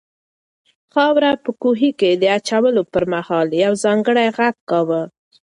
خاوره په کوهي کې د اچولو پر مهال یو ځانګړی غږ کاوه.